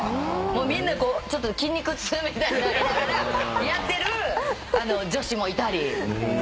みんな筋肉痛みたいになりながらやってる女子もいたりしながら。